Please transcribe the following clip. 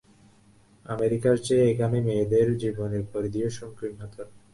আমেরিকার চেয়ে এখানে মেয়েদের জীবনের পরিধিও সংকীর্ণতর।